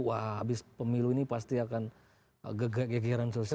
wah habis pemilu ini pasti akan gegeran sosial